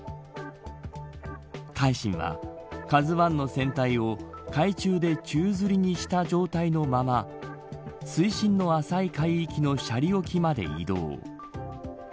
海進はＫＡＺＵ１の船体を海中で宙づりにした状態のまま水深の浅い海域の斜里沖まで移動。